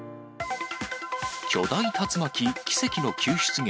巨大竜巻、奇跡の救出劇。